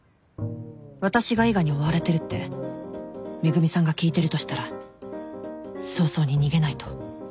私が伊賀に追われてるって恵美さんが聞いてるとしたら早々に逃げないと